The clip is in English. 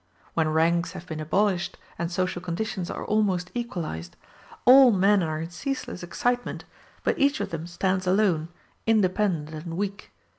When ranks have been abolished and social conditions are almost equalized, all men are in ceaseless excitement, but each of them stands alone, independent and weak.